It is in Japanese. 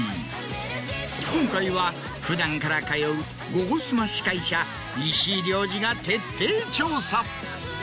今回は普段から通う『ゴゴスマ』司会者石井亮次が徹底調査。